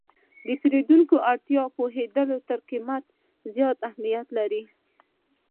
د پیرودونکي اړتیا پوهېدل تر قیمت زیات اهمیت لري.